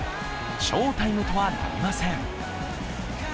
翔タイムとはなりません。